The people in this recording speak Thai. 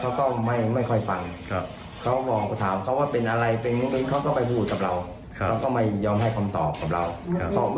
พอไม่พอใจอะไรเขาก็ไม่รับ